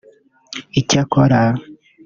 icyakora